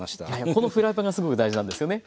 このフライパンがすごく大事なんですよね。